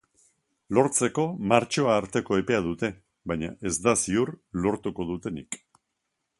Lortzeko martxoa arteko epea dute, baina ez da ziur lortuko dutenik.